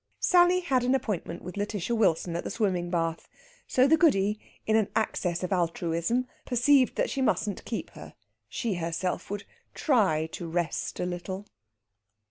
Sally had an appointment with Lætitia Wilson at the swimming bath, so the Goody, in an access of altruism, perceived that she mustn't keep her. She herself would try to rest a little.